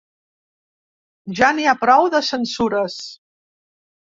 Ja n’hi ha prou, de censures.